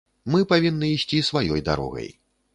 Мы павінны ісці сваёй дарогай.